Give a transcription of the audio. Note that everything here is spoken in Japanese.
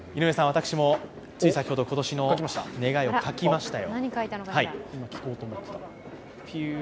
私もつい先ほど今年の願いを書きましたよ。